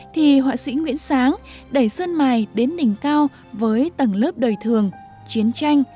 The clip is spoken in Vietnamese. thì họa sĩ nguyễn sáng đẩy sơn mài đến đỉnh cao với tầng lớp đời thường chiến tranh